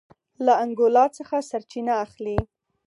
له انګولا څخه سرچینه اخلي.